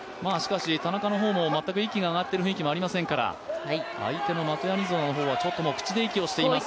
田中の方も全く息があがっている雰囲気もありませんから、相手のマトニヤゾワの方は口で息をしています。